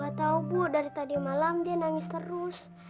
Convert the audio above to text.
nggak tahu bu dari tadi malam dia nangis terus